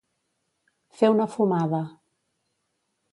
Fer una fumada.